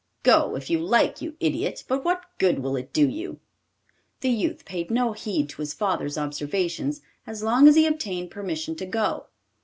'Go if you like, you idiot; but what good will it do you?' The youth paid no heed to his father's observations as long as he obtained permission to go.